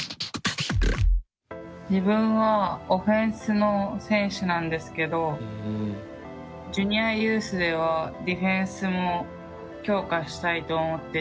自分はオフェンスの選手なんですけどジュニアユースではディフェンスも強化したいと思ってて。